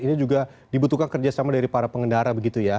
ini juga dibutuhkan kerjasama dari para pengendara begitu ya